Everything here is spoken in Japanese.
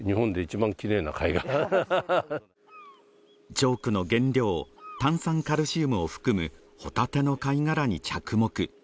チョークの原料、炭酸カルシウムを含むホタテの貝殻に着目